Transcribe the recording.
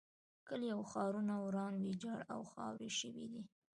کلي او ښارونه وران ویجاړ او خاورې شوي دي.